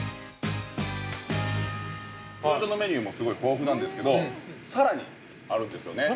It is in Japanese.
◆通常のメニューもすごい豊富なんですけどさらにあるんですよね。